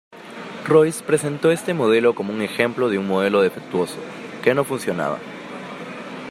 Royce presentó este modelo como un ejemplo de un modelo defectuoso, que no funciona.